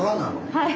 はい。